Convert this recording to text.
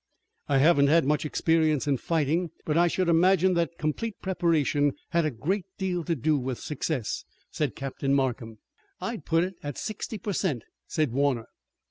"I haven't had much experience in fighting, but I should imagine that complete preparation had a great deal to do with success," said Captain Markham. "I'd put it at sixty per cent," said Warner.